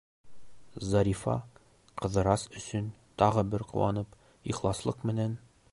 Зарифа, Ҡыҙырас өсөн тағы бер ҡыуанып, ихласлыҡ менән: